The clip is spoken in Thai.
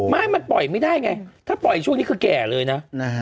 ไม่มันปล่อยไม่ได้ไงถ้าปล่อยช่วงนี้คือแก่เลยนะ